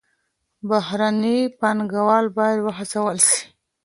بهرني پانګوال بايد وهڅول سي.